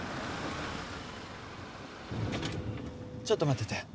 ちょっと待ってて。